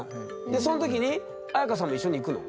その時に綾華さんも一緒に行くの？